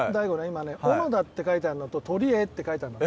「おのだ」って書いてあるのと「鳥」って書いてあるのね。